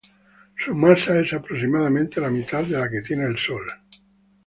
Su masa es aproximadamente la mitad de la que tiene el Sol.